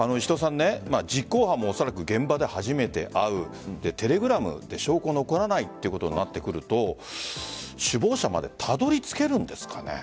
実行犯もおそらく現場で初めて会うのでテレグラムで証拠が残らないということになってくると首謀者までたどり着けるんですかね。